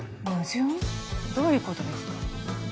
どういう事ですか？